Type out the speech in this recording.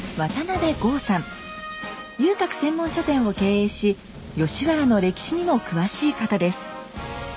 遊郭専門書店を経営し吉原の歴史にも詳しい方です。